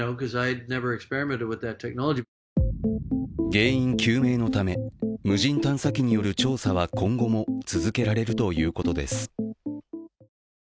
原因究明のため、無人探査機による調査は今後も続けられるということです。